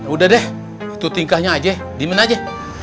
udah deh itu tingkahnya aja diemin aja